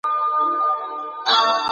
د ذمي ساتنه زموږ دنده ده.